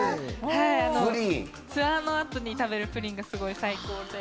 ツアーの後に食べるプリンが最高で。